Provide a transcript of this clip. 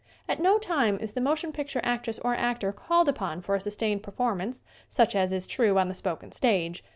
At no time is the motion picture actress or actor called upon for a sustained performance such as is true on the spoken stage.